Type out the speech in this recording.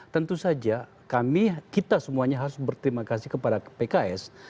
tentu saja kami kita semuanya harus berterima kasih kepada pks